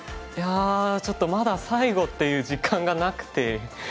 いやちょっとまだ最後っていう実感がなくて。